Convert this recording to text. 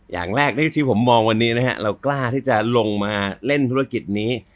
อย่างแรกที่ผมมองวันนี้นะฮะเรากล้าที่จะลงมาเล่นธุรกิจนี้